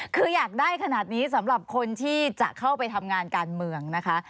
คืออยากได้ขนาดนี้สำหรับคนที่จะเข้าไปทำงานการเมืองนะคะ